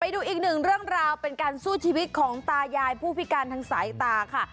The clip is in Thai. ดูอีกหนึ่งเรื่องราวเป็นการสู้ชีวิตของตายายผู้พิการทางสายตาค่ะ